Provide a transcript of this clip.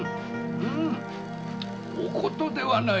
おことではない。